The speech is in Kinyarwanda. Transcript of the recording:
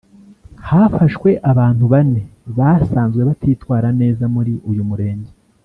hafashwe abantu bane basanzwe batitwara neza muri uyu Murenge